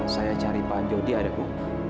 saya cari pak jody ada bu